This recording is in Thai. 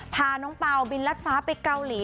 พาน้องเปล่าบินรัดฟ้าไปเกาหลี